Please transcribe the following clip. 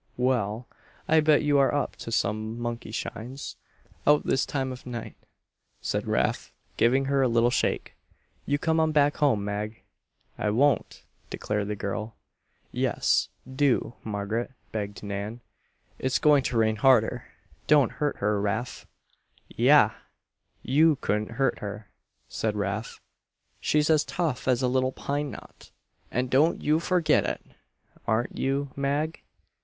"Well, I bet you are up to some monkey shines, out this time of night," said Rafe, giving her a little shake. "You come on back home, Mag." "I won't!" declared the girl. "Yes, do, Margaret," begged Nan. "It's going to rain harder. Don't hurt her, Rafe." "Yah! You couldn't hurt her," said Rafe. "She's as tough as a little pine knot, and don't you forget it! Aren't you, Mag?"